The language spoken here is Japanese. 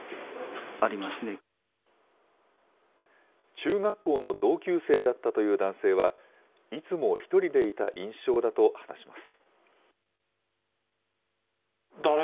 中学校の同級生だったという男性は、いつも１人でいた印象だと話します。